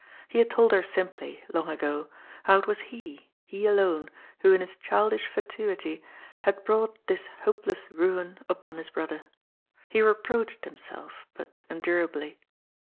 He had told her simply — long ago — how it was he, he alone, who in his childish fatuity had brought this hopeless ruin upon his brother. He reproached himself, but endurably.